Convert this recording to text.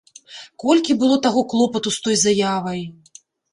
Колькі было таго клопату з той заявай!